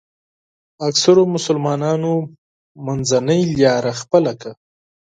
اکثرو مسلمانانو منځنۍ لاره خپله کړه.